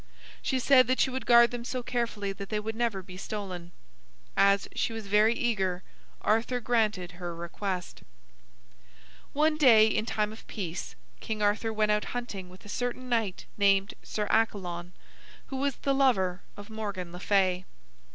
She said that she would guard them so carefully that they would never be stolen. As she was very eager, Arthur granted her request. One day in time of peace, King Arthur went out hunting with a certain knight named Sir Accalon, who was the lover of Morgan le Fay.